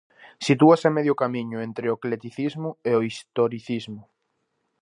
Sitúase a medio camiño entre o eclecticismo e o historicismo.